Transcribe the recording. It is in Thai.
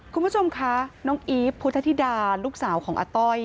คุณผู้ชมคะน้องอีฟพุทธธิดาลูกสาวของอาต้อย